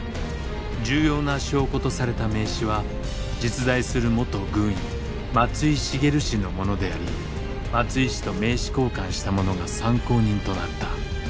重要な証拠とされた名刺は実在する元軍医松井蔚氏のものであり松井氏と名刺交換した者が参考人となった。